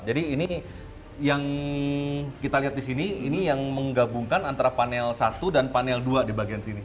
jadi ini yang kita lihat di sini ini yang menggabungkan antara panel satu dan panel dua di bagian sini